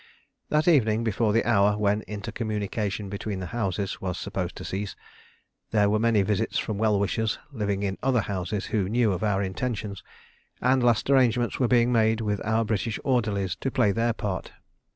That evening, before the hour when intercommunication between houses was supposed to cease, there were many visits from well wishers living in other houses who knew of our intentions, and last arrangements were made with our British orderlies to play their part.